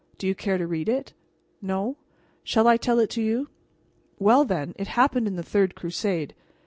Do you care to read it? No? Shall I tell it to you? Well, then: It happened in the third crusade.